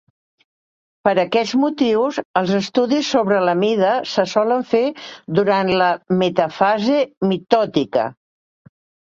Per aquest motiu, els estudis sobre la mida se solen fer durant la metafase mitòtica.